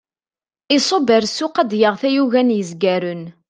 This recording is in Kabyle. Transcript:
Iṣubb ar ssuq ad d-yaɣ tayuga n yezgaren.